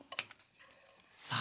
さあ。